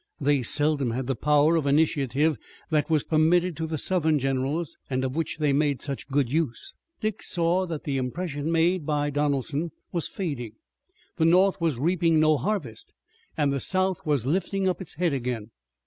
They seldom had the power of initiative that was permitted to the Southern generals, and of which they made such good use. Dick saw that the impression made by Donelson was fading. The North was reaping no harvest, and the South was lifting up its head again.